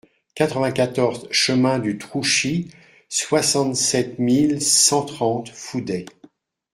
quatre-vingt-quatorze chemin du Trouchy, soixante-sept mille cent trente Fouday